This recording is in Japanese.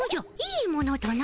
いいものとな？